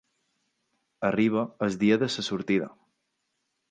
Arriba el dia de la sortida.